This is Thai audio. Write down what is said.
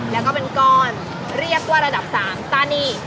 แล้วก็เป็นก้อนเรียกว่าระดับ๓ตานี